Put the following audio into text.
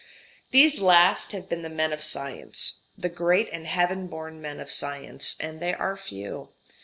These last have been the men of science, the great and heaven born men of science; and they are few.